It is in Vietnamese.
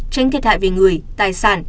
tránh thiệt hại về người tài sản